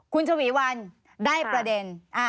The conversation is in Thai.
คุณชวีวันได้ประเด็น